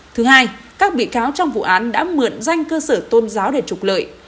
thứ hai các bị cáo trong vụ án đã mượn danh cơ sở tôn giáo để trục lợi